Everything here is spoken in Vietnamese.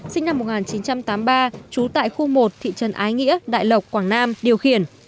sinh năm một nghìn chín trăm tám mươi ba trú tại khu một thị trấn ái nghĩa đại lộc quảng nam điều khiển